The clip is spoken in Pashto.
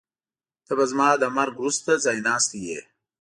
ته به زما له مرګ وروسته ځایناستی وې.